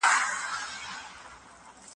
په سياست کي د زغم او حوصلې اړتيا ده.